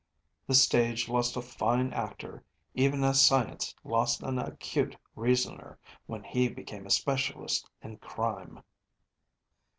The stage lost a fine actor, even as science lost an acute reasoner, when he became a specialist in crime.